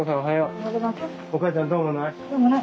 お母ちゃんどうもない？